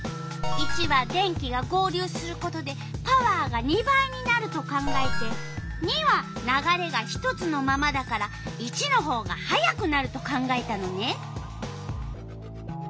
①は電気が合流することでパワーが２倍になると考えて②は流れが一つのままだから①のほうが速くなると考えたのね。